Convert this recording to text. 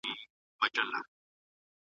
باید نوي میتودونه وکارول شي.